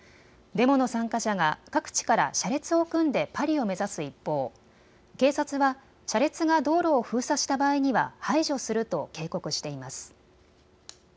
デモの参加者が各地から車列を組んでパリを目指す一方、警察は車列が道路を封鎖した場合には排除すると警告しています。